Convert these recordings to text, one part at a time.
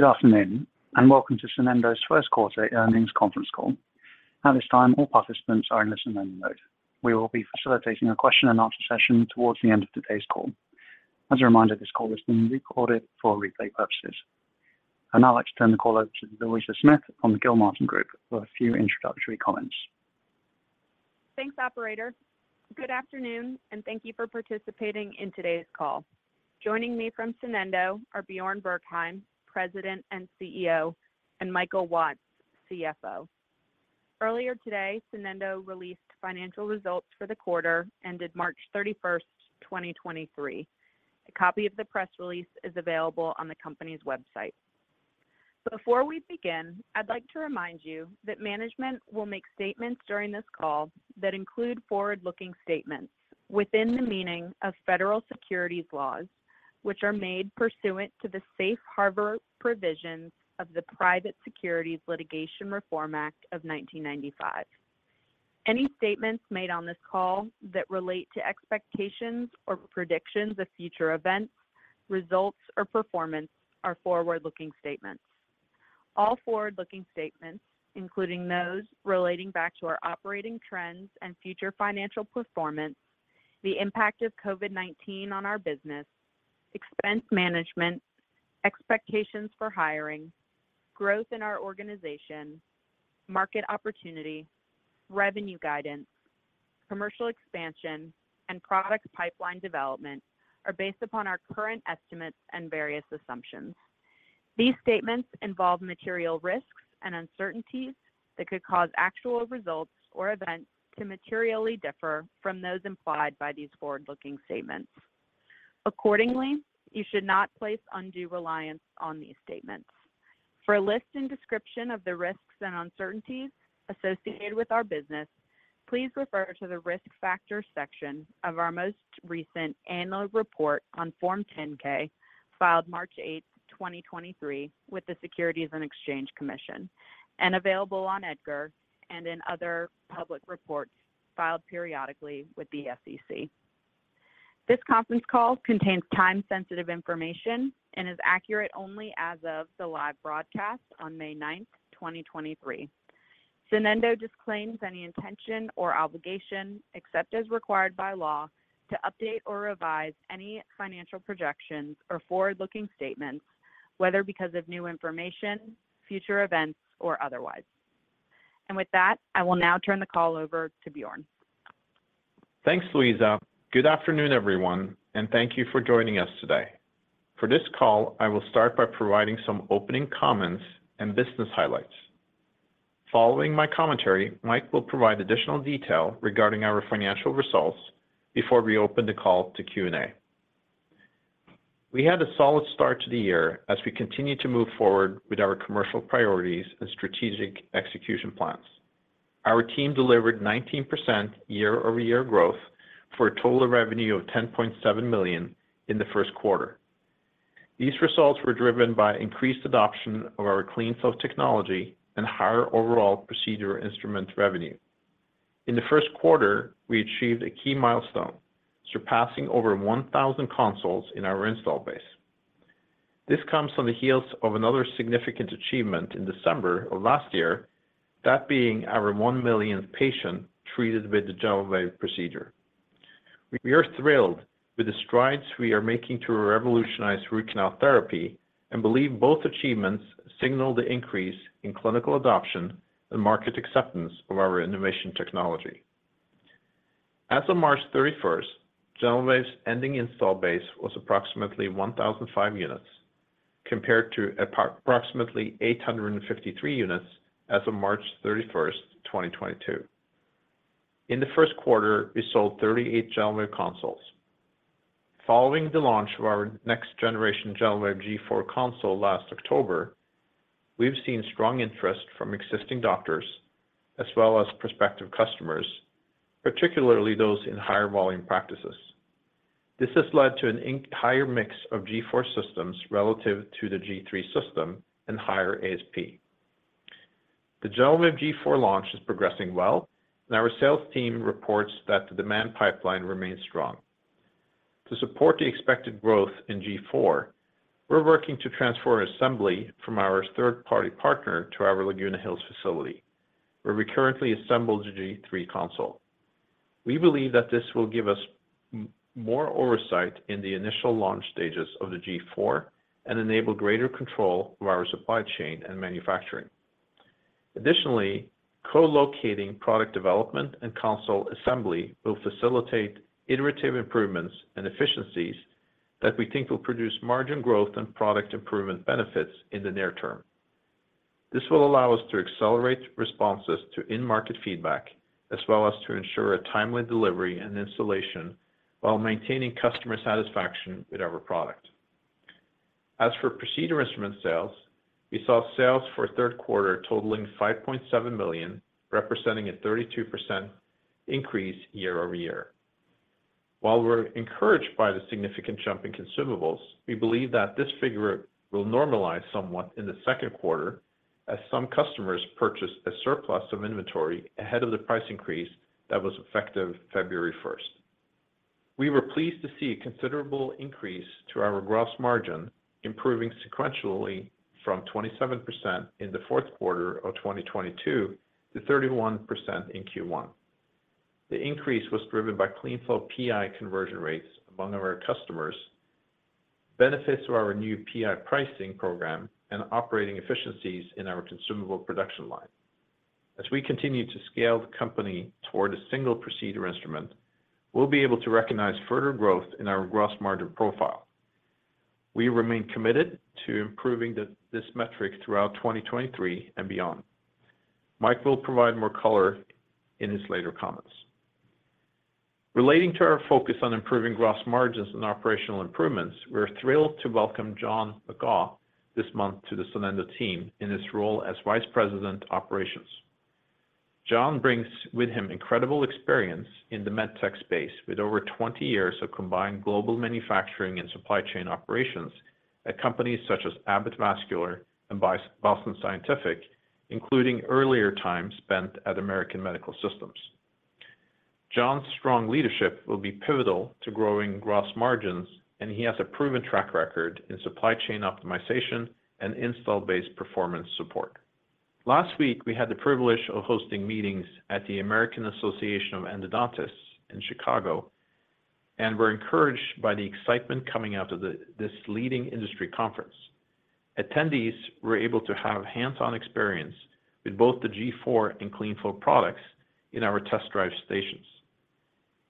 Good afternoon. Welcome to Sonendo's first quarter earnings conference call. At this time, all participants are in listen only mode. We will be facilitating a question and answer session towards the end of today's call. As a reminder, this call is being recorded for replay purposes. I'd now like to turn the call over to Louisa Smith from the Gilmartin Group for a few introductory comments. Thanks, operator. Good afternoon, and thank you for participating in today's call. Joining me from Sonendo are Bjarne Bergheim, President and CEO, and Michael Watts, CFO. Earlier today, Sonendo released financial results for the quarter ending March 31st, 2023. A copy of the press release is available on the company's website. Before we begin, I'd like to remind you that management will make statements during this call that include forward-looking statements within the meaning of Federal securities laws, which are made pursuant to the Safe Harbor provisions of the Private Securities Litigation Reform Act of 1995. Any statements made on this call that relate to expectations or predictions of future events, results, or performance are forward-looking statements. All forward-looking statements, including those relating back to our operating trends and future financial performance, the impact of COVID-19 on our business, expense management, expectations for hiring, growth in our organization, market opportunity, revenue guidance, commercial expansion, and product pipeline development are based upon our current estimates and various assumptions. These statements involve material risks and uncertainties that could cause actual results or events to materially differ from those implied by these forward-looking statements. Accordingly, you should not place undue reliance on these statements. For a list and description of the risks and uncertainties associated with our business, please refer to the Risk Factors section of our most recent Annual Report on Form 10-K, filed March 8th, 2023, with the Securities and Exchange Commission and available on EDGAR and in other public reports filed periodically with the SEC. This conference call contains time-sensitive information and is accurate only as of the live broadcast on May 9th, 2023. Sonendo disclaims any intention or obligation, except as required by law, to update or revise any financial projections or forward-looking statements, whether because of new information, future events, or otherwise. With that, I will now turn the call over to Bjarne. Thanks, Louisa. Good afternoon, everyone, thank you for joining us today. For this call, I will start by providing some opening comments and business highlights. Following my commentary, Mike will provide additional detail regarding our financial results before we open the call to Q&A. We had a solid start to the year as we continued to move forward with our commercial priorities and strategic execution plans. Our team delivered 19% year-over-year growth for a total revenue of $10.7 million in the first quarter. These results were driven by increased adoption of our CleanFlow technology and higher overall procedure instrument revenue. In the first quarter, we achieved a key milestone, surpassing over 1,000 consoles in our install base. This comes on the heels of another significant achievement in December of last year, that being our one million patient treated with the GentleWave procedure. We are thrilled with the strides we are making to revolutionize root canal therapy and believe both achievements signal the increase in clinical adoption and market acceptance of our innovation technology. As of March 31st, GentleWave's ending install base was approximately 1,005 units, compared to approximately 853 units as of March 31st, 2022. In the first quarter, we sold 38 GentleWave consoles. Following the launch of our next generation GentleWave G4 console last October, we've seen strong interest from existing doctors as well as prospective customers, particularly those in higher volume practices. This has led to an entire mix of G4 systems relative to the G3 system and higher ASP. The GentleWave G4 launch is progressing well, and our sales team reports that the demand pipeline remains strong. To support the expected growth in G4, we're working to transfer assembly from our third-party partner to our Laguna Hills facility, where we currently assemble the G3 console. We believe that this will give us more oversight in the initial launch stages of the G4 and enable greater control of our supply chain and manufacturing. Co-locating product development and console assembly will facilitate iterative improvements and efficiencies that we think will produce margin growth and product improvement benefits in the near term. This will allow us to accelerate responses to in-market feedback, as well as to ensure a timely delivery and installation while maintaining customer satisfaction with our product. As for procedure instrument sales, we saw sales for the third quarter totaling $5.7 million, representing a 32% increase year-over-year. While we're encouraged by the significant jump in consumables, we believe that this figure will normalize somewhat in the second quarter as some customers purchased a surplus of inventory ahead of the price increase that was effective February 1st. We were pleased to see a considerable increase to our gross margin, improving sequentially from 27% in the fourth quarter of 2022 to 31% in Q1. The increase was driven by CleanFlow PI conversion rates among our customers, benefits to our new PI pricing program, and operating efficiencies in our consumable production line. As we continue to scale the company toward a single procedure instrument, we'll be able to recognize further growth in our gross margin profile. We remain committed to improving this metric throughout 2023 and beyond. Mike will provide more color in his later comments. Relating to our focus on improving gross margins and operational improvements, we're thrilled to welcome John McGaugh this month to the Sonendo team in his role as Vice President, Operations. John brings with him incredible experience in the med tech space with over 20 years of combined global manufacturing and supply chain operations at companies such as Abbott Vascular and Boston Scientific, including earlier time spent at American Medical Systems. John's strong leadership will be pivotal to growing gross margins, and he has a proven track record in supply chain optimization and install-based performance support. Last week, we had the privilege of hosting meetings at the American Association of Endodontists in Chicago, and were encouraged by the excitement coming out of this leading industry conference. Attendees were able to have hands-on experience with both the G4 and CleanFlow products in our test drive stations.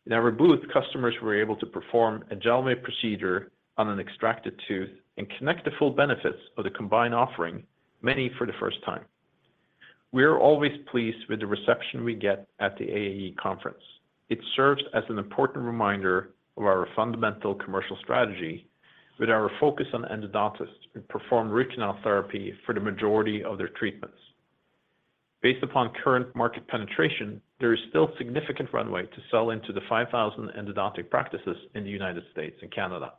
In our booth, customers were able to perform a GentleWave procedure on an extracted tooth and connect the full benefits of the combined offering, many for the first time. We are always pleased with the reception we get at the AAE conference. It serves as an important reminder of our fundamental commercial strategy with our focus on endodontists who perform root canal therapy for the majority of their treatments. Based upon current market penetration, there is still significant runway to sell into the 5,000 endodontic practices in the U.S. and Canada.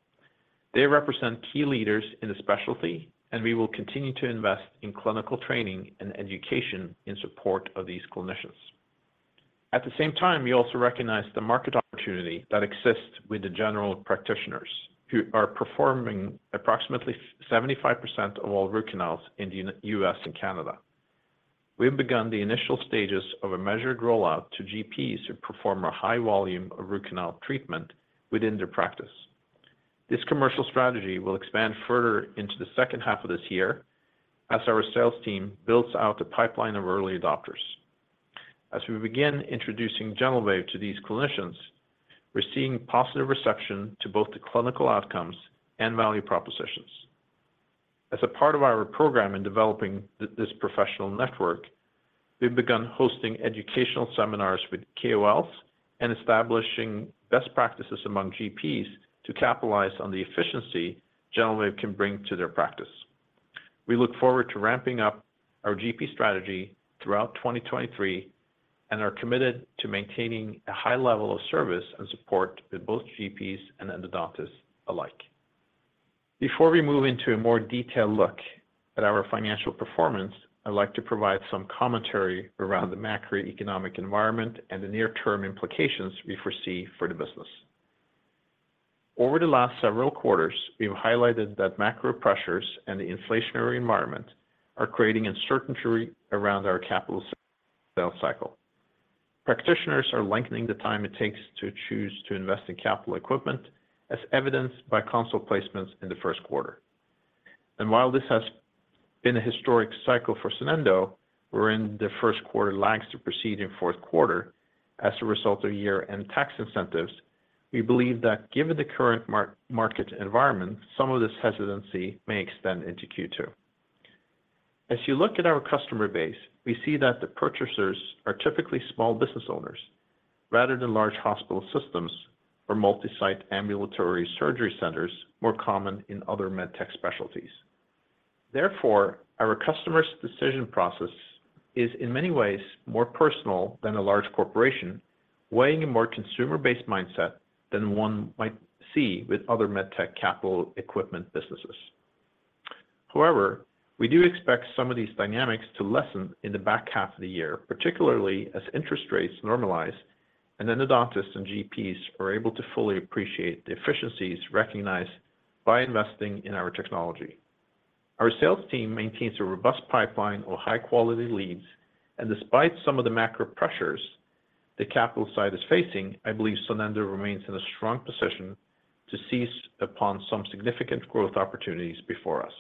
They represent key leaders in the specialty, we will continue to invest in clinical training and education in support of these clinicians. At the same time, we also recognize the market opportunity that exists with the general practitioners who are performing approximately 75% of all root canals in the U.S. and Canada. We have begun the initial stages of a measured rollout to GPs who perform a high volume of root canal treatment within their practice. This commercial strategy will expand further into the second half of this year as our sales team builds out the pipeline of early adopters. We begin introducing GentleWave to these clinicians, we're seeing positive reception to both the clinical outcomes and value propositions. A part of our program in developing this professional network, we've begun hosting educational seminars with KOLs and establishing best practices among GPs to capitalize on the efficiency GentleWave can bring to their practice. We look forward to ramping up our GP strategy throughout 2023 and are committed to maintaining a high level of service and support with both GPs and endodontists alike. Before we move into a more detailed look at our financial performance, I'd like to provide some commentary around the macroeconomic environment and the near term implications we foresee for the business. Over the last several quarters, we've highlighted that macro pressures and the inflationary environment are creating uncertainty around our capital sales cycle. Practitioners are lengthening the time it takes to choose to invest in capital equipment, as evidenced by console placements in the first quarter. While this has been a historic cycle for Sonendo, wherein the first quarter lags to proceed in fourth quarter as a result of year-end tax incentives, we believe that given the current market environment, some of this hesitancy may extend into Q2. As you look at our customer base, we see that the purchasers are typically small business owners rather than large hospital systems or multi-site ambulatory surgery centers more common in other med tech specialties. Our customers' decision process is in many ways more personal than a large corporation, weighing a more consumer-based mindset than one might see with other med tech capital equipment businesses. We do expect some of these dynamics to lessen in the back half of the year, particularly as interest rates normalize and endodontists and GPs are able to fully appreciate the efficiencies recognized by investing in our technology. Despite some of the macro pressures the capital side is facing, I believe Sonendo remains in a strong position to seize upon some significant growth opportunities before us.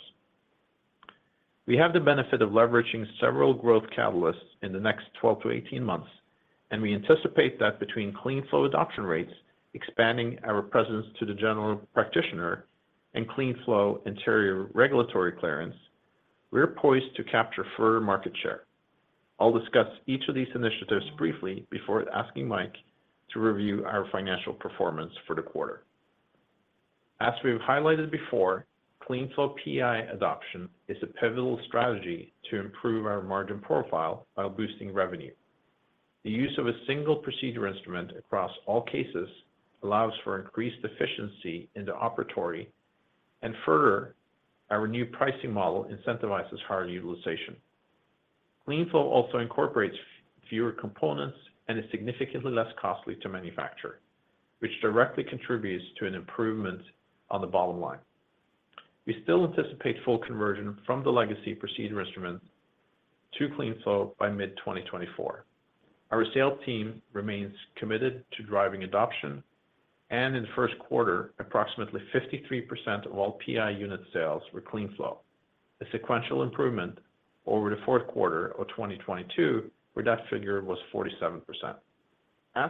We have the benefit of leveraging several growth catalysts in the next 12 to 18 months, and we anticipate that between CleanFlow adoption rates, expanding our presence to the general practitioner, and CleanFlow interior regulatory clearance, we are poised to capture further market share. I'll discuss each of these initiatives briefly before asking Mike to review our financial performance for the quarter. As we've highlighted before, CleanFlow PI adoption is a pivotal strategy to improve our margin profile while boosting revenue. The use of a single procedure instrument across all cases allows for increased efficiency in the operatory, and further, our new pricing model incentivizes higher utilization. CleanFlow also incorporates fewer components and is significantly less costly to manufacture, which directly contributes to an improvement on the bottom line. We still anticipate full conversion from the legacy procedure instruments to CleanFlow by mid-2024. Our sales team remains committed to driving adoption, and in the first quarter, approximately 53% of all PI unit sales were CleanFlow, a sequential improvement over the fourth quarter of 2022, where that figure was 47%.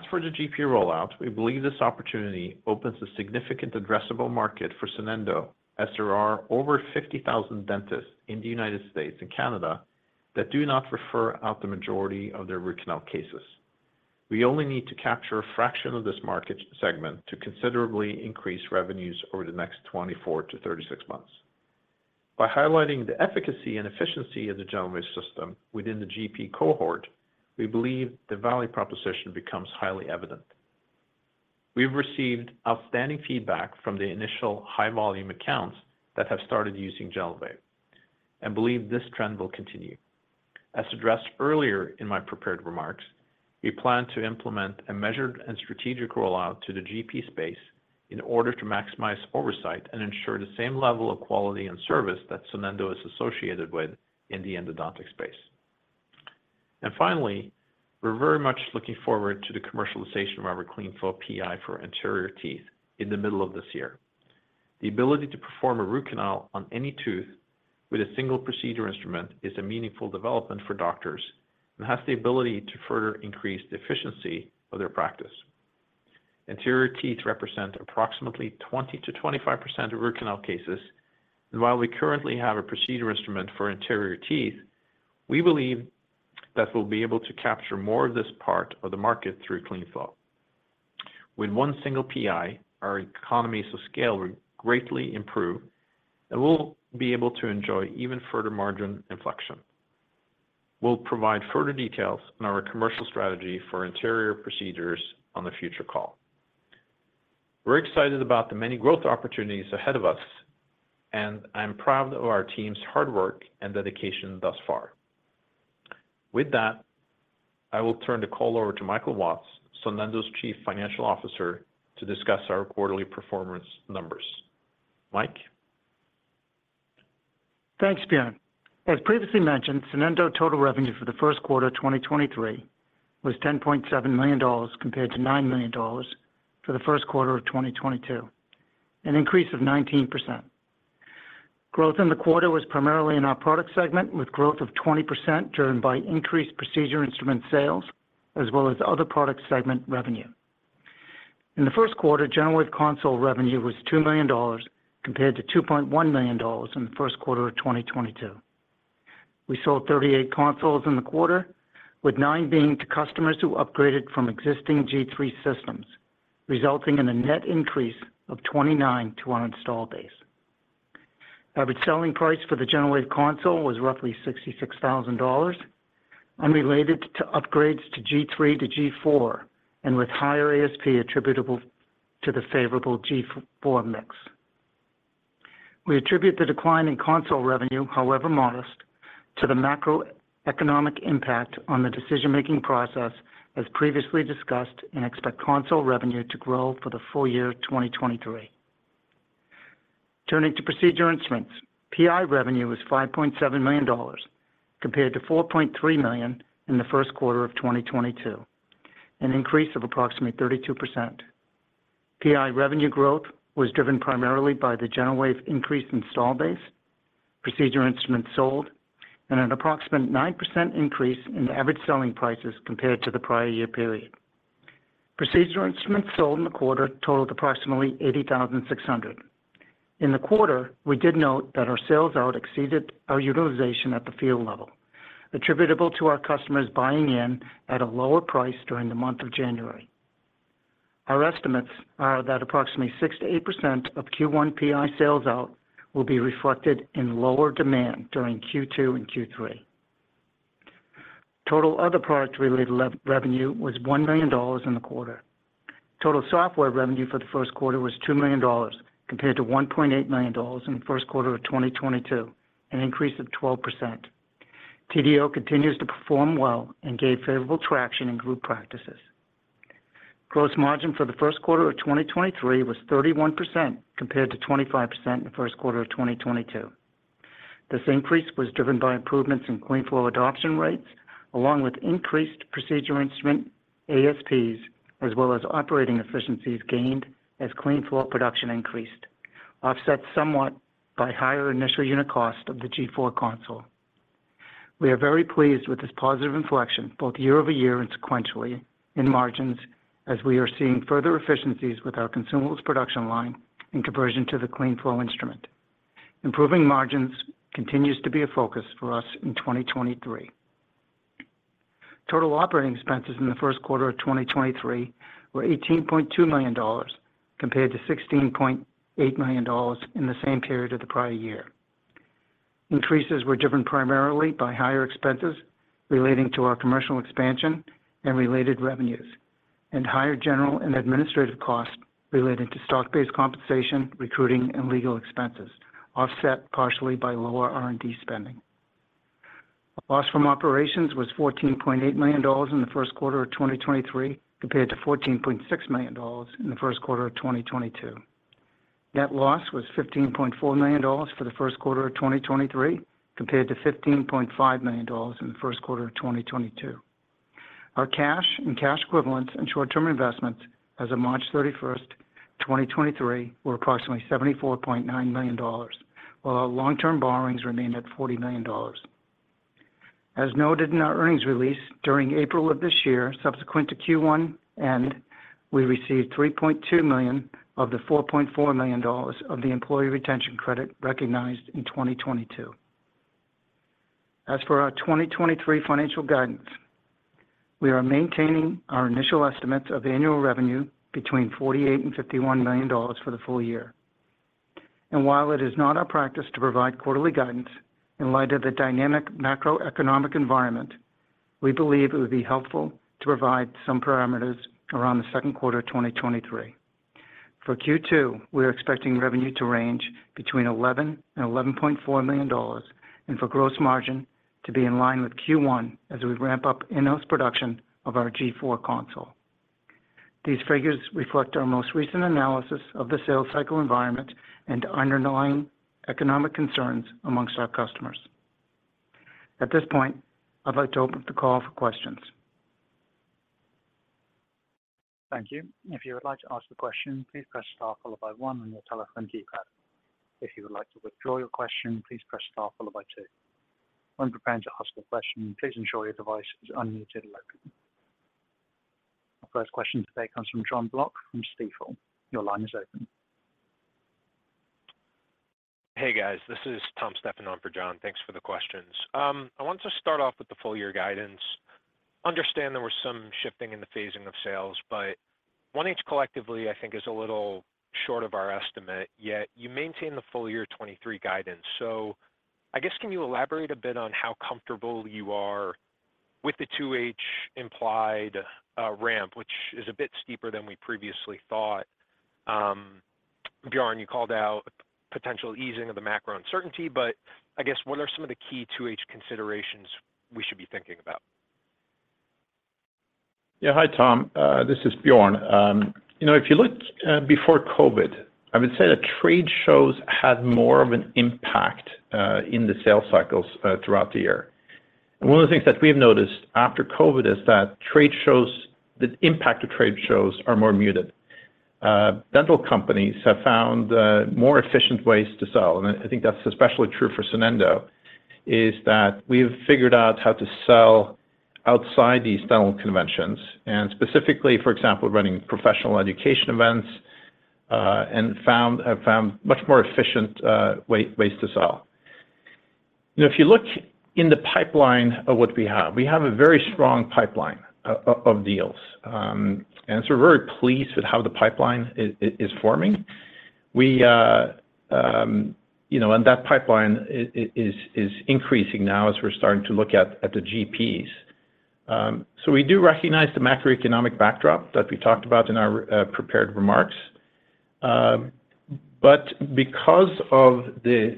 For the GP rollout, we believe this opportunity opens a significant addressable market for Sonendo, as there are over 50,000 dentists in the U.S. and Canada that do not refer out the majority of their root canal cases. We only need to capture a fraction of this market segment to considerably increase revenues over the next 24-36 months. By highlighting the efficacy and efficiency of the GentleWave system within the GP cohort, we believe the value proposition becomes highly evident. We've received outstanding feedback from the initial high volume accounts that have started using GentleWave, and believe this trend will continue. As addressed earlier in my prepared remarks, we plan to implement a measured and strategic rollout to the GP space in order to maximize oversight and ensure the same level of quality and service that Sonendo is associated with in the endodontic space. Finally, we're very much looking forward to the commercialization of our CleanFlow PI for anterior teeth in the middle of this year. The ability to perform a root canal on any tooth with a single procedure instrument is a meaningful development for doctors and has the ability to further increase the efficiency of their practice. Anterior teeth represent approximately 20%-25% of root canal cases, and while we currently have a procedure instrument for anterior teeth, we believe that we'll be able to capture more of this part of the market through CleanFlow. With one single PI, our economies of scale will greatly improve. We'll be able to enjoy even further margin inflection. We'll provide further details on our commercial strategy for anterior procedures on the future call. We're excited about the many growth opportunities ahead of us. I'm proud of our team's hard work and dedication thus far. With that, I will turn the call over to Michael Watts, Sonendo's Chief Financial Officer, to discuss our quarterly performance numbers. Mike? Thanks, Bjarne. As previously mentioned, Sonendo total revenue for the first quarter of 2023 was $10.7 million compared to $9 million for the first quarter of 2022, an increase of 19%. Growth in the quarter was primarily in our product segment, with growth of 20% driven by increased procedure instrument sales as well as other product segment revenue. In the first quarter, GentleWave console revenue was $2 million compared to $2.1 million in the first quarter of 2022. We sold 38 consoles in the quarter, with nine being to customers who upgraded from existing G3 systems, resulting in a net increase of 29 to our install base. Average selling price for the GentleWave console was roughly $66,000, unrelated to upgrades to G3 to G4, and with higher ASP attributable to the favorable G4 mix. We attribute the decline in console revenue, however modest, to the macroeconomic impact on the decision-making process, as previously discussed, and expect console revenue to grow for the full year 2023. Turning to procedure instruments, PI revenue was $5.7 million compared to $4.3 million in the first quarter of 2022, an increase of approximately 32%. PI revenue growth was driven primarily by the GentleWave increase in install base, procedure instruments sold, and an approximate 9% increase in the average selling prices compared to the prior year period. Procedure instruments sold in the quarter totaled approximately 80,600. In the quarter, we did note that our sales out exceeded our utilization at the field level, attributable to our customers buying in at a lower price during the month of January. Our estimates are that approximately 6%-8% of Q1 PI sales out will be reflected in lower demand during Q2 and Q3. Total other product-related revenue was $1 million in the quarter. Total software revenue for the first quarter was $2 million compared to $1.8 million in the first quarter of 2022, an increase of 12%. TDO continues to perform well and gained favorable traction in group practices. Gross margin for the first quarter of 2023 was 31% compared to 25% in the first quarter of 2022. This increase was driven by improvements in CleanFlow adoption rates along with increased procedure instrument ASPs, as well as operating efficiencies gained as CleanFlow production increased, offset somewhat by higher initial unit cost of the G4 console. We are very pleased with this positive inflection both year-over-year and sequentially in margins as we are seeing further efficiencies with our consumables production line in conversion to the CleanFlow instrument. Improving margins continues to be a focus for us in 2023. Total operating expenses in the first quarter of 2023 were $18.2 million compared to $16.8 million in the same period of the prior year. Increases were driven primarily by higher expenses relating to our commercial expansion and related revenues. Higher general and administrative costs related to stock-based compensation, recruiting, and legal expenses offset partially by lower R&D spending. Loss from operations was $14.8 million in the first quarter of 2023, compared to $14.6 million in the first quarter of 2022. Net loss was $15.4 million for the first quarter of 2023, compared to $15.5 million in the first quarter of 2022. Our cash and cash equivalents and short-term investments as of March 31st, 2023, were approximately $74.9 million, while our long-term borrowings remained at $40 million. As noted in our earnings release, during April of this year, subsequent to Q1 end, we received $3.2 million of the $4.4 million of the Employee Retention Credit recognized in 2022. As for our 2023 financial guidance, we are maintaining our initial estimates of annual revenue between $48 million and $51 million for the full year. While it is not our practice to provide quarterly guidance, in light of the dynamic macroeconomic environment, we believe it would be helpful to provide some parameters around the second quarter of 2023. For Q2, we're expecting revenue to range between $11 million and $11.4 million and for gross margin to be in line with Q1 as we ramp up in-house production of our G4 console. These figures reflect our most recent analysis of the sales cycle environment and underlying economic concerns amongst our customers. At this point, I'd like to open the call for questions. Thank you. If you would like to ask a question, please press star followed by one on your telephone keypad. If you would like to withdraw your question, please press star followed by two. When preparing to ask a question, please ensure your device is unmuted and open. Our first question today comes from Jonathan Block from Stifel. Your line is open. Hey, guys. This is Tom Stephan on for Jon. Thanks for the questions. I want to start off with the full year guidance. Understand there was some shifting in the phasing of sales, but one each collectively I think is a little short of our estimate, yet you maintain the full year 2023 guidance. I guess, can you elaborate a bit on how comfortable you are with the 2H implied ramp, which is a bit steeper than we previously thought? Bjarne, you called out potential easing of the macro uncertainty, but I guess what are some of the key 2H considerations we should be thinking about? Yeah. Hi, Tom. This is Bjarne. You know, if you look before COVID, I would say that trade shows had more of an impact in the sales cycles throughout the year. One of the things that we've noticed after COVID is that the impact of trade shows are more muted. Dental companies have found more efficient ways to sell, and I think that's especially true for Sonendo, is that we've figured out how to sell outside these dental conventions, and specifically, for example, running professional education events, have found much more efficient ways to sell. You know, if you look in the pipeline of what we have, we have a very strong pipeline of deals, and so we're very pleased with how the pipeline is forming. We, you know, and that pipeline is increasing now as we're starting to look at the GPs. We do recognize the macroeconomic backdrop that we talked about in our prepared remarks. Because of the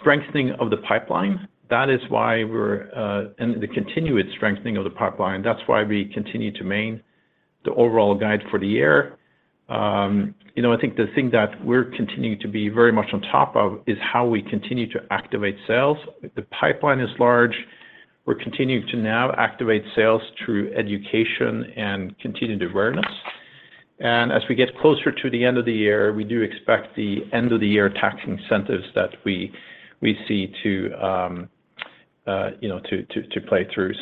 strengthening of the pipeline, that is why we're and the continued strengthening of the pipeline, that's why we continue to main the overall guide for the year. You know, I think the thing that we're continuing to be very much on top of is how we continue to activate sales. The pipeline is large. We're continuing to now activate sales through education and continued awareness. As we get closer to the end of the year, we do expect the end of the year tax incentives that we see to, you know, to play through.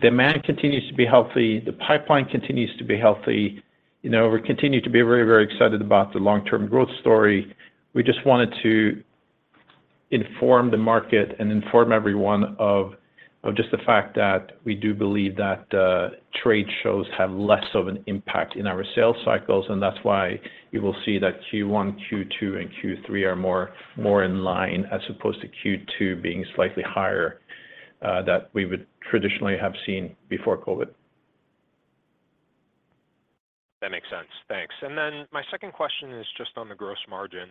Demand continues to be healthy. The pipeline continues to be healthy. You know, we continue to be very, very excited about the long-term growth story. We just wanted to inform the market and inform everyone of just the fact that we do believe that trade shows have less of an impact in our sales cycles, and that's why you will see that Q1, Q2, and Q3 are more in line as opposed to Q2 being slightly higher that we would traditionally have seen before COVID. That makes sense. Thanks. Then my second question is just on the gross margin.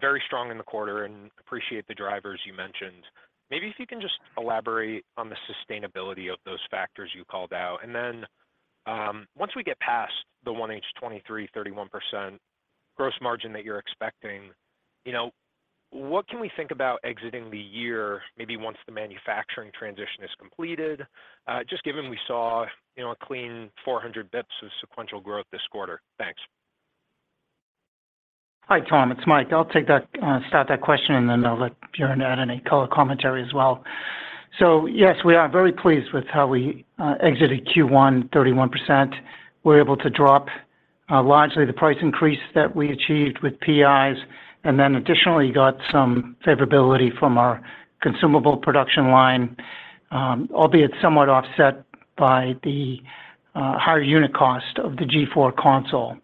Very strong in the quarter and appreciate the drivers you mentioned. Maybe if you can just elaborate on the sustainability of those factors you called out. Then, once we get past the 1H 2023 31% gross margin that you're expecting, you know, what can we think about exiting the year maybe once the manufacturing transition is completed? Just given we saw, you know, a clean 400 basis points of sequential growth this quarter. Thanks. Hi, Tom. It's Mike. I'll take that, start that question, and then I'll let Bjarne add any color commentary as well. Yes, we are very pleased with how we exited Q1 31%. We're able to drop, largely the price increase that we achieved with PIs and then additionally got some favorability from our consumable production line, albeit somewhat offset by the higher unit cost of the G4 console.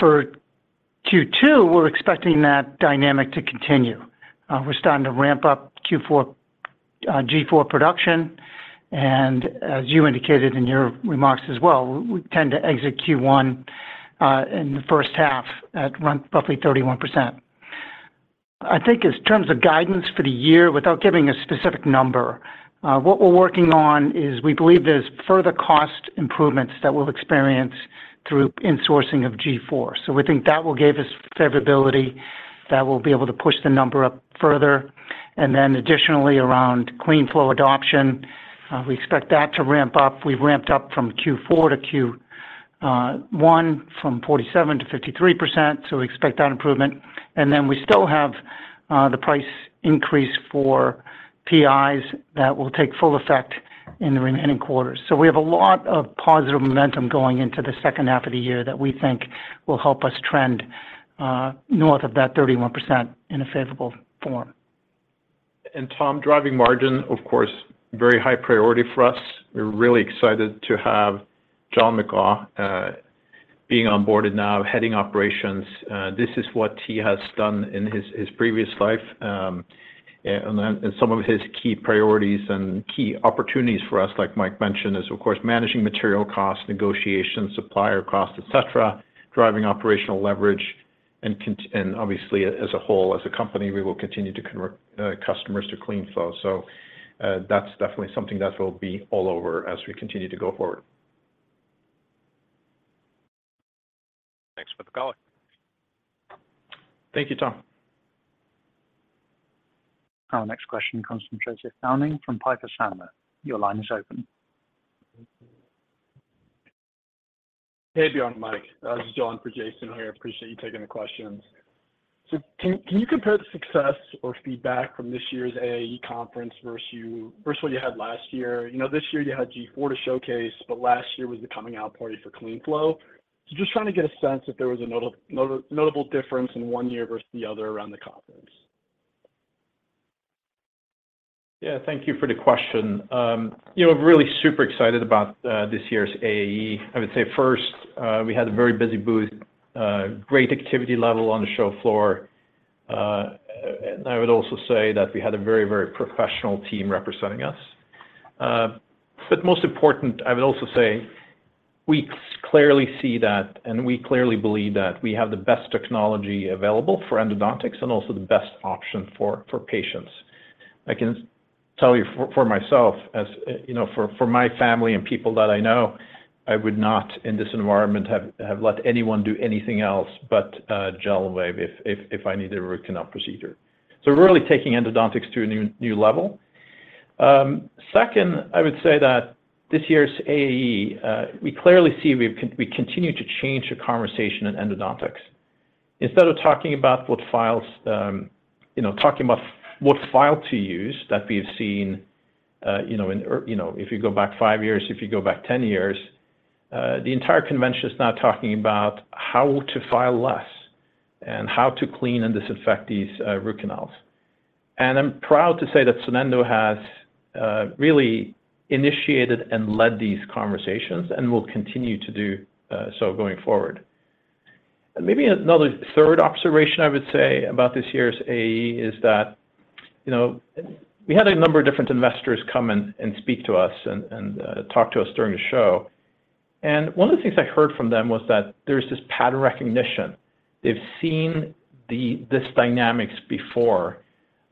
For Q2, we're expecting that dynamic to continue. We're starting to ramp up Q4 G4 production, and as you indicated in your remarks as well, we tend to exit Q1 in the first half at run roughly 31%. I think in terms of guidance for the year, without giving a specific number, what we're working on is we believe there's further cost improvements that we'll experience through insourcing of G4. We think that will give us favorability, that will be able to push the number up further. Additionally around CleanFlow adoption, we expect that to ramp up. We've ramped up from Q4 to Q1 from 47% to 53%, so we expect that improvement. We still have the price increase for PIs that will take full effect in the remaining quarters. We have a lot of positive momentum going into the second half of the year that we think will help us trend north of that 31% in a favorable form. Tom, driving margin, of course, very high priority for us. We're really excited to have John McGaugh being on board and now heading operations. This is what he has done in his previous life. Some of his key priorities and key opportunities for us, like Mike mentioned, is of course managing material costs, negotiations, supplier costs, et cetera, driving operational leverage, and obviously as a whole, as a company, we will continue to convert customers to CleanFlow. That's definitely something that will be all over as we continue to go forward. Thanks for the color. Thank you, Tom. Our next question comes from Jason Bednar from Piper Sandler. Your line is open. Hey, Bjarne and Michael. This is John for Jason here. Appreciate you taking the questions. Can you compare the success or feedback from this year's AAE conference versus what you had last year? You know, this year you had G4 to showcase, but last year was the coming out party for CleanFlow. Just trying to get a sense if there was a notable difference in one year versus the other around the conference. Yeah. Thank you for the question. You know, really super excited about this year's AAE. I would say first, we had a very busy booth, great activity level on the show floor. I would also say that we had a very, very professional team representing us. Most important, I would also say we clearly see that, and we clearly believe that we have the best technology available for endodontics and also the best option for patients. I can tell you for myself, as, you know, for my family and people that I know, I would not, in this environment, have let anyone do anything else but GentleWave if I needed a root canal procedure. We're really taking endodontics to a new level. Second, I would say that this year's AAE, we clearly see we continue to change the conversation in endodontics. Instead of talking about what files, you know, talking about what file to use that we've seen, you know, or, you know, if you go back five years, if you go back 10 years, the entire convention is now talking about how to file less and how to clean and disinfect these root canals. I'm proud to say that Sonendo has really initiated and led these conversations and will continue to do so going forward. Maybe another third observation I would say about this year's AAE is that, you know, we had a number of different investors come and speak to us and talk to us during the show. One of the things I heard from them was that there's this pattern recognition. They've seen this dynamics before,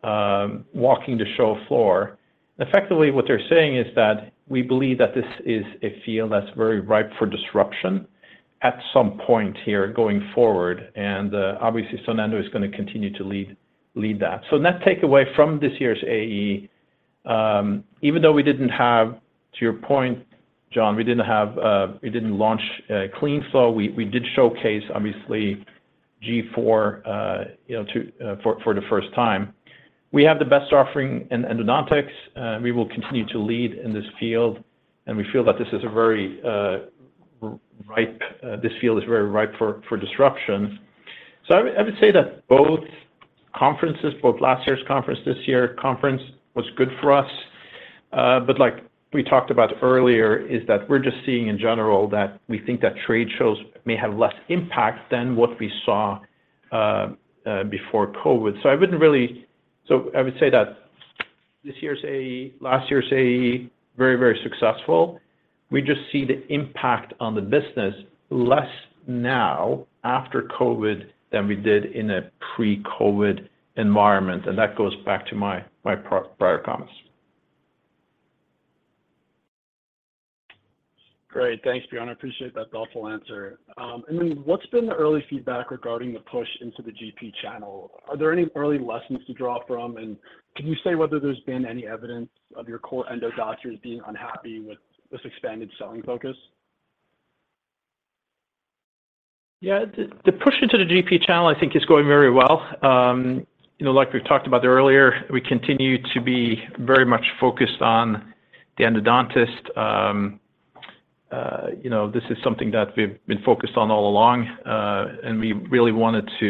walking the show floor. Effectively, what they're saying is that we believe that this is a field that's very ripe for disruption at some point here going forward. Obviously, Sonendo is gonna continue to lead that. Net takeaway from this year's AAE, even though we didn't have, to your point, John, we didn't have, we didn't launch CleanFlow, we did showcase obviously G4, you know, for the first time. We have the best offering in endodontics. We will continue to lead in this field, and we feel that this is a very ripe for disruption. I would say that both conferences, both last year's conference, this year conference was good for us. Like we talked about earlier, is that we're just seeing in general that we think that trade shows may have less impact than what we saw before COVID. I would say that this year's AAE, last year's AAE, very successful. We just see the impact on the business less now after COVID than we did in a pre-COVID environment, and that goes back to my prior comments. Great. Thanks, Bjarne. I appreciate that thoughtful answer. What's been the early feedback regarding the push into the GP channel? Are there any early lessons to draw from? Can you say whether there's been any evidence of your core endo doctors being unhappy with this expanded selling focus? Yeah. The push into the GP channel I think is going very well. You know, like we've talked about earlier, we continue to be very much focused on the endodontist. You know, this is something that we've been focused on all along, and we really wanted to,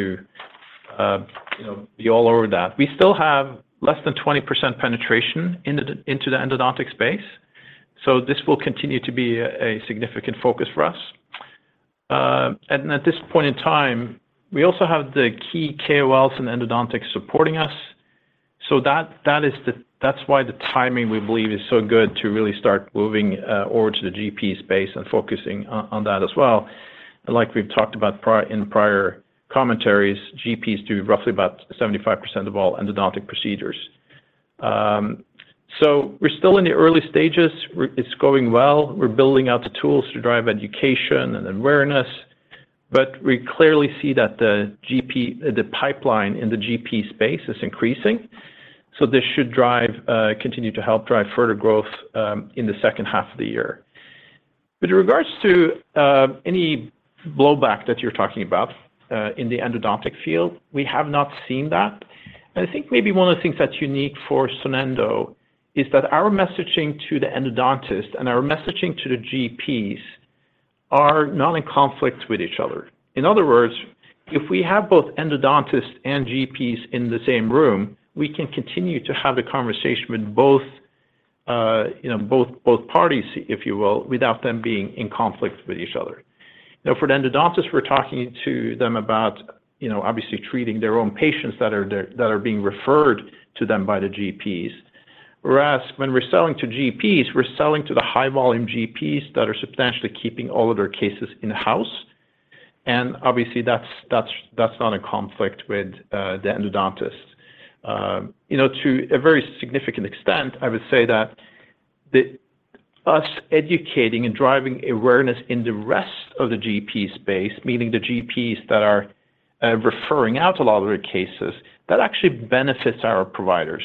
you know, be all over that. We still have less than 20% penetration into the endodontic space, so this will continue to be a significant focus for us. At this point in time, we also have the key KOLs in endodontics supporting us. That is why the timing, we believe, is so good to really start moving over to the GP space and focusing on that as well. Like we've talked about in prior commentaries, GPs do roughly about 75% of all endodontic procedures. We're still in the early stages. It's going well. We're building out the tools to drive education and awareness, but we clearly see that the pipeline in the GP space is increasing, so this should drive, continue to help drive further growth in the second half of the year. With regards to any blowback that you're talking about in the endodontic field, we have not seen that. I think maybe one of the things that's unique for Sonendo is that our messaging to the Endodontist and our messaging to the GPs are not in conflict with each other. In other words, if we have both Endodontists and GPs in the same room, we can continue to have the conversation with both, you know, both parties, if you will, without them being in conflict with each other. Now, for the Endodontists, we're talking to them about, you know, obviously treating their own patients that are being referred to them by the GPs. Whereas when we're selling to GPs, we're selling to the high-volume GPs that are substantially keeping all of their cases in-house. Obviously, that's not a conflict with the Endodontists. You know, to a very significant extent, I would say that us educating and driving awareness in the rest of the GP space, meaning the GPs that are referring out a lot of their cases, that actually benefits our providers.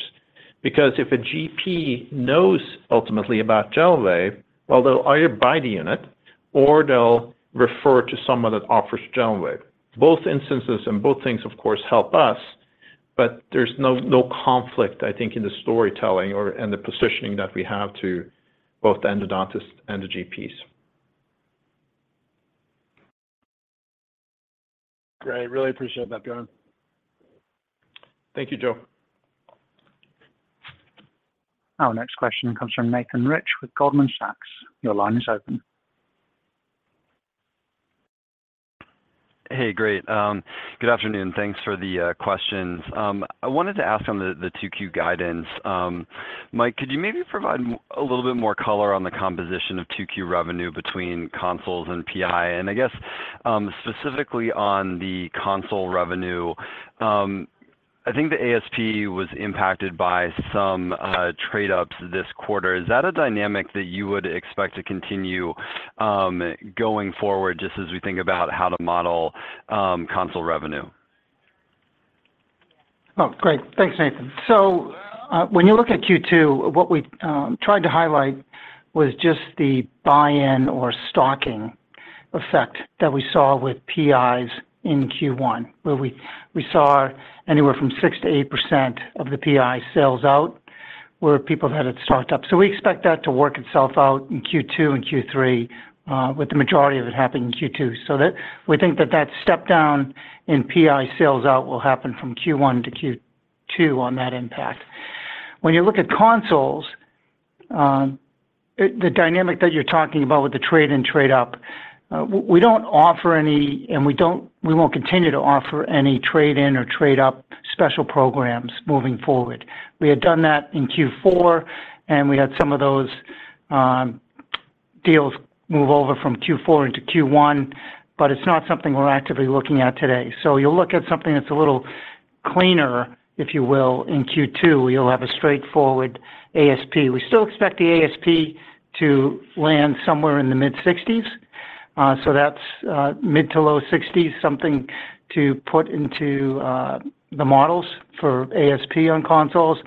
If a GP knows ultimately about GentleWave, well, they'll either buy the unit or they'll refer to someone that offers GentleWave. Both instances and both things, of course, help us, but there's no conflict, I think, in the storytelling and the positioning that we have to both the Endodontists and the GPs. Great. Really appreciate that, Bjarne. Thank you, Joe. Our next question comes from Nathan Rich with Goldman Sachs. Your line is open. Hey, great. Good afternoon. Thanks for the questions. I wanted to ask on the 2Q guidance. Mike, could you maybe provide a little bit more color on the composition of 2Q revenue between consoles and PI? I guess specifically on the console revenue, I think the ASP was impacted by some trade-ups this quarter. Is that a dynamic that you would expect to continue going forward, just as we think about how to model console revenue? Great. Thanks, Nathan. When you look at Q2, what we tried to highlight was just the buy-in or stocking effect that we saw with PIs in Q1, where we saw anywhere from 6%-8% of the PI sales out, where people had it stocked up. We expect that to work itself out in Q2 and Q3, with the majority of it happening in Q2. We think that step down in PI sales out will happen from Q1 to Q2 on that impact. When you look at consoles, the dynamic that you're talking about with the trade and trade-up, we don't offer any, and we won't continue to offer any trade-in or trade-up special programs moving forward. We had done that in Q4, and we had some of those deals move over from Q4 into Q1, but it's not something we're actively looking at today. You'll look at something that's a little cleaner, if you will, in Q2. You'll have a straightforward ASP. We still expect the ASP to land somewhere in the mid-sixties. That's mid to low sixties, something to put into the models for ASP on consoles.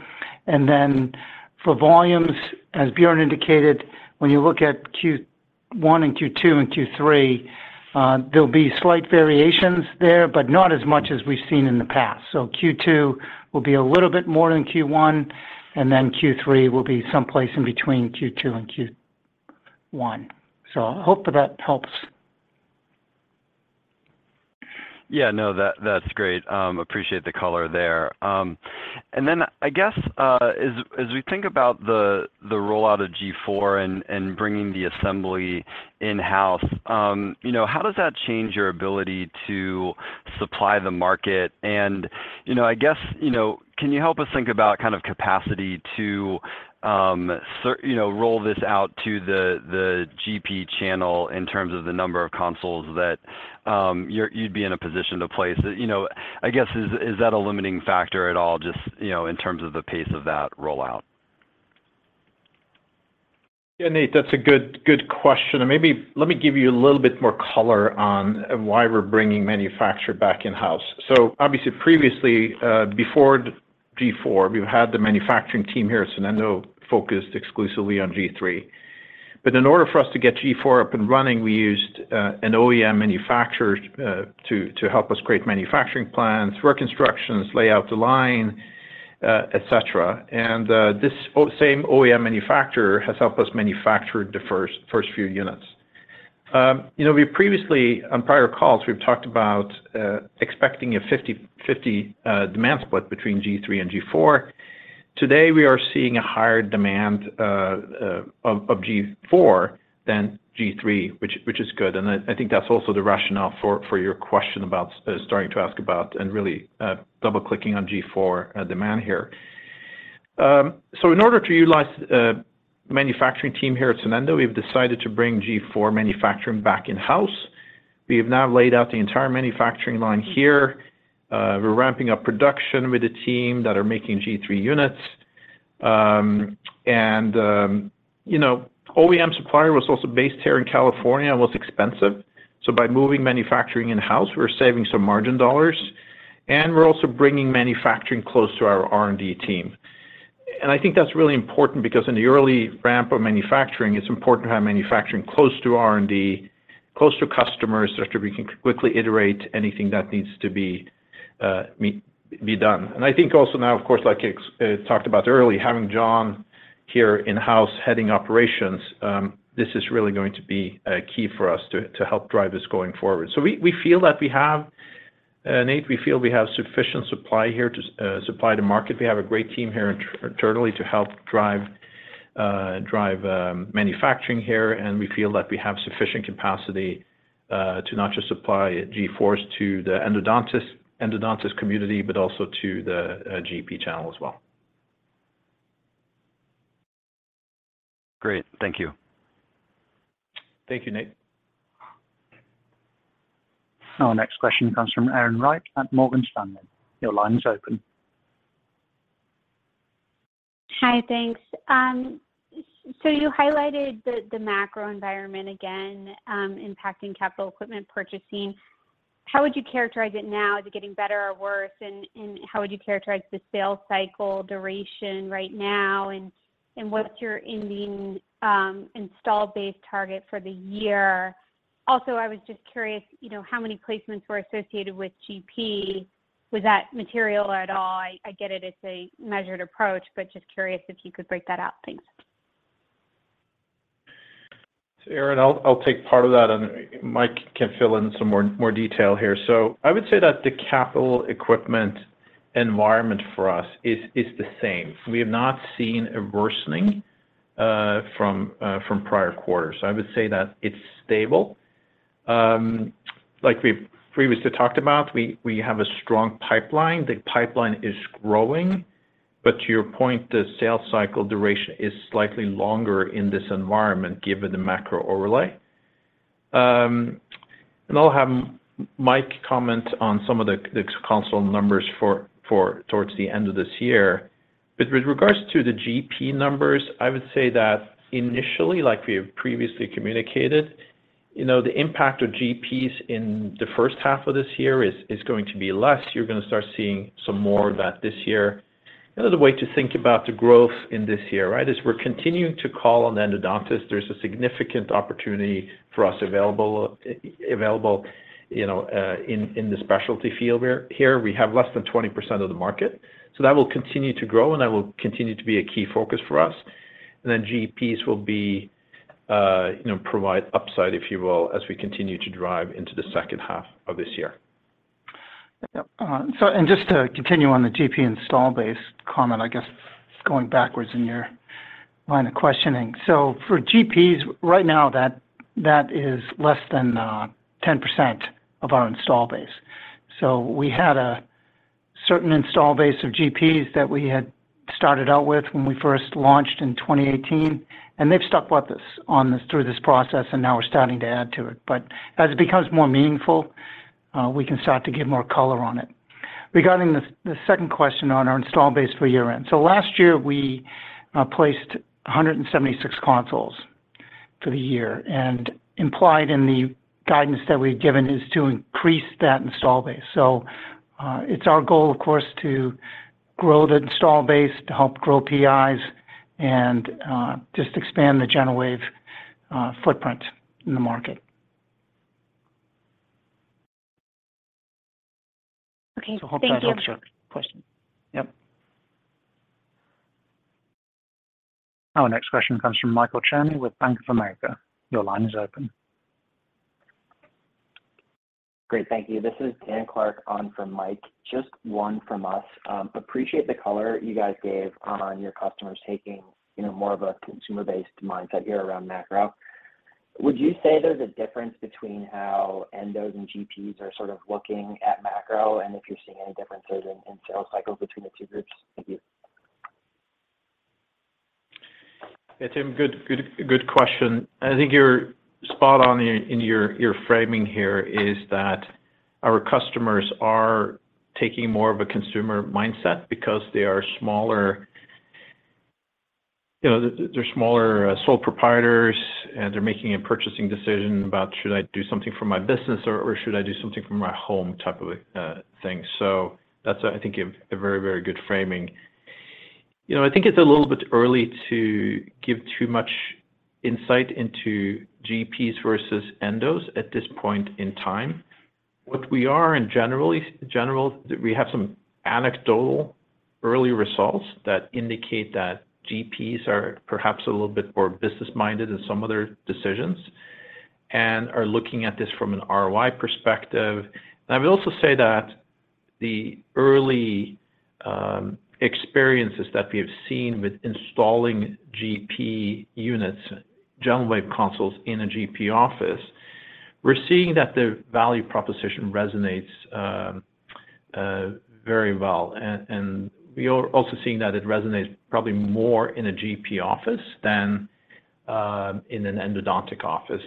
For volumes, as Bjarne indicated, when you look at Q1 and Q2 and Q3, there'll be slight variations there, but not as much as we've seen in the past. Q2 will be a little bit more than Q1, and then Q3 will be someplace in between Q2 and Q1. I hope that that helps. Yeah, no, that's great. Appreciate the color there. Then I guess, as we think about the rollout of G4 and bringing the assembly in-house, you know, how does that change your ability to supply the market? You know, I guess, you know, can you help us think about kind of capacity to, you know, roll this out to the GP channel in terms of the number of consoles that, you'd be in a position to place? You know, I guess, is that a limiting factor at all, just, you know, in terms of the pace of that rollout? Yeah, Nate, that's a good question. Maybe let me give you a little bit more color on why we're bringing manufacture back in-house. Obviously previously, before G4, we've had the manufacturing team here at Sonendo focused exclusively on G3. In order for us to get G4 up and running, we used an OEM manufacturer to help us create manufacturing plans, work instructions, lay out the line, et cetera. This same OEM manufacturer has helped us manufacture the first few units. You know, on prior calls, we've talked about expecting a 50/50 demand split between G3 and G4. Today, we are seeing a higher demand of G4 than G3, which is good. I think that's also the rationale for your question about starting to ask about and really double-clicking on G4 demand here. In order to utilize the manufacturing team here at Sonendo, we've decided to bring G4 manufacturing back in-house. We have now laid out the entire manufacturing line here. We're ramping up production with the team that are making G3 units. You know, OEM supplier was also based here in California and was expensive. By moving manufacturing in-house, we're saving some margin dollars, and we're also bringing manufacturing close to our R&D team. I think that's really important because in the early ramp of manufacturing, it's important to have manufacturing close to R&D, close to customers so that we can quickly iterate anything that needs to be done. I think also now, of course, like I talked about earlier, having Jon here in-house heading operations, this is really going to be key for us to help drive this going forward. We feel that we have Nate, we feel we have sufficient supply here to supply to market. We have a great team here internally to help drive manufacturing here, and we feel that we have sufficient capacity to not just supply G4s to the endodontist community, but also to the GP channel as well. Great. Thank you. Thank you, Nate. Our next question comes from Erin Wright at Morgan Stanley. Your line is open. Hi. Thanks. You highlighted the macro environment again, impacting capital equipment purchasing. How would you characterize it now? Is it getting better or worse? How would you characterize the sales cycle duration right now? What's your ending install base target for the year? Also, I was just curious, you know, how many placements were associated with GP? Was that material at all? I get it's a measured approach, but just curious if you could break that out. Thanks. Erin, I'll take part of that, and Mike can fill in some more detail here. I would say that the capital equipment environment for us is the same. We have not seen a worsening from prior quarters. I would say that it's stable. Like we've previously talked about, we have a strong pipeline. The pipeline is growing. To your point, the sales cycle duration is slightly longer in this environment given the macro overlay. And I'll have Mike comment on some of the console numbers for towards the end of this year. With regards to the GP numbers, I would say that initially, like we have previously communicated, you know, the impact of GPs in the first half of this year is going to be less. You're gonna start seeing some more of that this year. Another way to think about the growth in this year, right, is we're continuing to call on the endodontists. There's a significant opportunity for us available, you know, in the specialty field here. We have less than 20% of the market. That will continue to grow, and that will continue to be a key focus for us. GPs will be, you know, provide upside, if you will, as we continue to drive into the second half of this year. Yep. Just to continue on the GP install base comment, I guess going backwards in your line of questioning. For GPs right now, that is less than 10% of our install base. We had a certain install base of GPs that we had started out with when we first launched in 2018, and they've stuck with us on this through this process, and now we're starting to add to it. As it becomes more meaningful, we can start to give more color on it. Regarding the second question on our install base for year-end. Last year we placed 176 consoles for the year, and implied in the guidance that we've given is to increase that install base. It's our goal, of course, to grow the install base to help grow PIs and, just expand the GentleWave footprint in the market. Okay. Thank you. Hope that helps your question. Yep. Our next question comes from Michael Cherny with Bank of America. Your line is open. Great. Thank you. This is Tim Clark on from Mike. Just one from us. appreciate the color you guys gave on your customers taking, you know, more of a consumer-based mindset here around macro. Would you say there's a difference between how endos and GPs are sort of looking at macro, and if you're seeing any differences in sales cycles between the two groups? Thank you. Yeah, Tim, good question. I think you're spot on in your framing here is that our customers are taking more of a consumer mindset because they are smaller, you know, they're smaller, sole proprietors, and they're making a purchasing decision about should I do something for my business or should I do something for my home type of a thing. That's, I think a very good framing. You know, I think it's a little bit early to give too much insight into GPs versus endos at this point in time. What we are in generally, we have some anecdotal early results that indicate that GPs are perhaps a little bit more business-minded in some of their decisions and are looking at this from an ROI perspective. I will also say that the early experiences that we have seen with installing GP units, GentleWave consoles in a GP office, we're seeing that the value proposition resonates very well. We are also seeing that it resonates probably more in a GP office than in an endodontic office.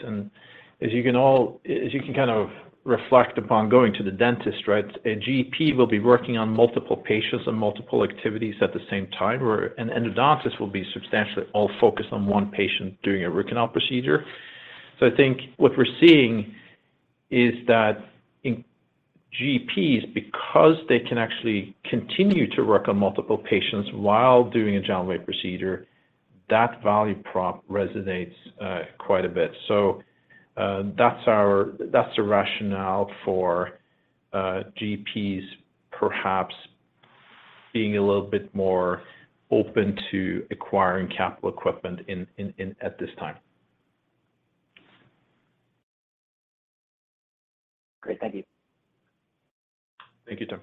As you can kind of reflect upon going to the dentist, right, a GP will be working on multiple patients and multiple activities at the same time, where an endodontist will be substantially all focused on one patient doing a root canal procedure. I think what we're seeing is that in GPs, because they can actually continue to work on multiple patients while doing a GentleWave procedure, that value prop resonates quite a bit. That's the rationale for GPs perhaps being a little bit more open to acquiring capital equipment at this time. Great. Thank you. Thank you, Tim.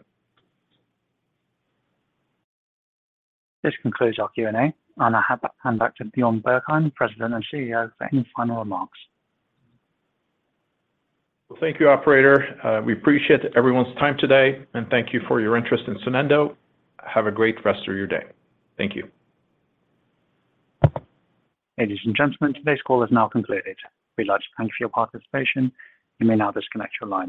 This concludes our Q&A, and I hand back to Bjarne Bergheim, President and CEO, for any final remarks. Well, thank you, operator. We appreciate everyone's time today, and thank you for your interest in Sonendo. Have a great rest of your day. Thank you. Ladies and gentlemen, today's call is now concluded. We'd like to thank you for your participation. You may now disconnect your lines.